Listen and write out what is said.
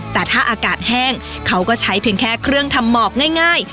แต่ถ้าอากาศแห้งเขาก็ใช้เพียงแค่เครื่องทำหมอกง่าย